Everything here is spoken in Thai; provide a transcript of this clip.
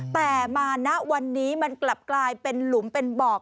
แต่มาณวันนี้มันกลับกลายเป็นหลุมเป็นบอก